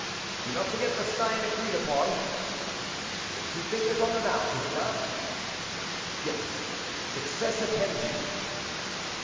"Do not forget the sign agreed upon." "Two fingers on the mouth, is it not?" "Yes; success attend you."